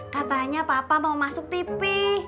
katanya papa mau masuk tv